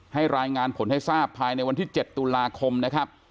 รายงานผลให้ทราบภายในวันที่๗ตุลาคมนะครับ